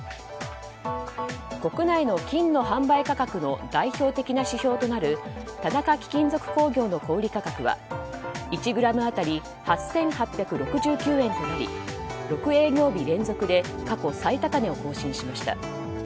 国内の金の販売価格の代表的な指標となる田中貴金属工業の小売価格は１ｇ当たり８８６９円となり６営業日連続で過去最高値を更新しました。